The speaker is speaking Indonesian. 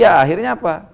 ya akhirnya apa